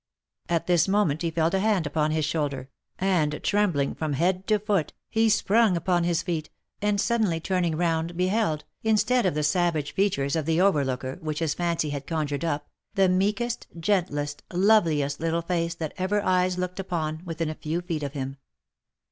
At this moment he felt a hand upon his shoulder, and trembling from head to foot, he sprung upon his feet, and suddenly turning round beheld, instead of the savage features of the overlooker which his fancy had conjured up, the meekest, gentlest, loveliest little face, that ever eyes looked upon, within a few feet of him.